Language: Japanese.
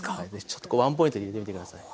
ちょっとこうワンポイントで入れてみて下さい。